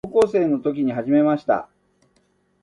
高校生の時に始めました。